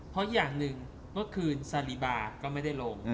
เพราะอย่างหนึ่งเมื่อคืนซารีบาก็ไม่ได้ลง